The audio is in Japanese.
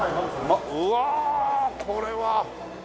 うわこれは。